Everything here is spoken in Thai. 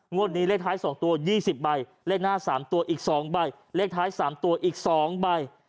วันนี้เลขท้าย๒ตัว๒๐ใบเลขหน้า๓ตัวอีก๒ใบเลขท้าย๓ตัวอีก๒ใบ